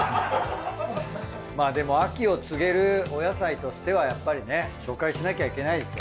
まあでも秋を告げるお野菜としてはやっぱりね紹介しなきゃいけないですよ。